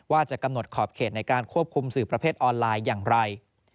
ว่าจะกำหนดขอบเขตในการควบคุมสื่อประเภทออนไลน์อย่างไร